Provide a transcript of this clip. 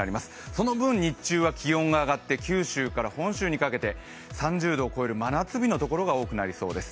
その分、日中は気温が上がって九州から本州にかけて３０度を超える真夏日のところが多くなりそうです。